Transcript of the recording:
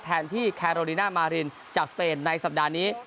แทนที่แคโรดิน่ามารินจากสเปนในสัปดาห์นี้